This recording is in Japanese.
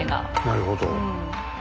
なるほど。